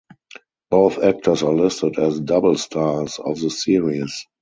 Both actors are listed as "double stars" of the series.